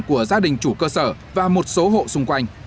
của gia đình chủ cơ sở và một số hộ xung quanh